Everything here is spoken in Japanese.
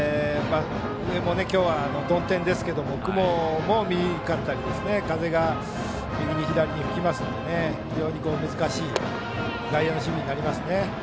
今日は曇天ですが、雲もあったり風が、右に左に吹きますので非常に難しい外野の守備になりますね。